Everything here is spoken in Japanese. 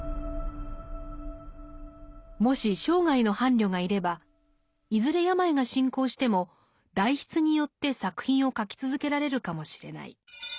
もし生涯の伴侶がいればいずれ病が進行しても代筆によって作品を書き続けられるかもしれない。